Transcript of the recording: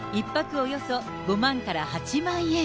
およそ５万から８万円。